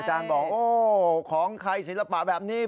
อาจารย์บอกโอ๊ยของใครศิลปะแบบนี้